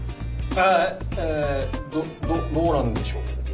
あぁどどうなんでしょう。